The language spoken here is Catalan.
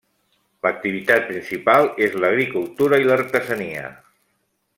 L'activitat principal és l'agricultura i l'artesania.